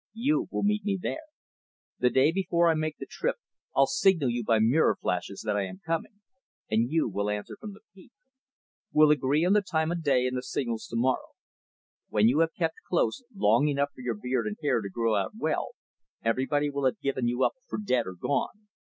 You will meet me there. The day before I make the trip, I'll signal you by mirror flashes that I am coming; and you will answer from the peak. We'll agree on the time of day and the signals to morrow. When you have kept close, long enough for your beard and hair to grow out well, everybody will have given you up for dead or gone.